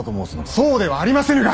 そうではありませぬが！